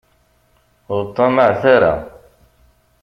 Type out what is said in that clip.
Ur ṭṭamaɛet ara.